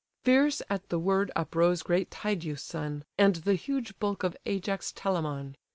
Fierce at the word uprose great Tydeus' son, And the huge bulk of Ajax Telamon.